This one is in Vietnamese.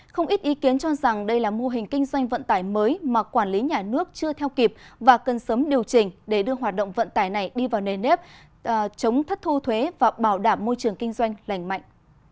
không ít ý kiến cho rằng đây là mô hình kinh doanh vận tải mới mà quản lý nhà nước chưa theo kịp và cần sớm điều chỉnh để đưa hoạt động vận tải này đi vào nề nếp chống thất thu thuế và bảo đảm môi trường kinh doanh lành mạnh